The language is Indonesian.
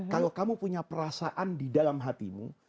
kalau kamu punya perasaan di dalam hatimu